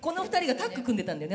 タッグ組んでたね。